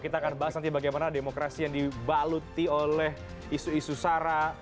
kita akan bahas nanti bagaimana demokrasi yang dibaluti oleh isu isu sara